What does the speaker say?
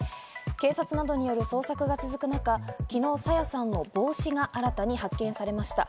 警察などによる捜索が続く中、昨日、朝芽さんの帽子が新たに発見されました。